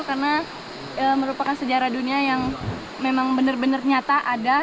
karena merupakan sejarah dunia yang memang benar benar nyata ada